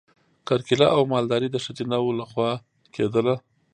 کرکیله او مالداري د ښځینه وو لخوا کیدله.